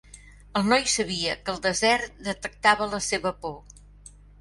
El noi sabia que el desert detectava la seva por.